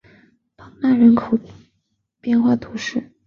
邦讷人口变化图示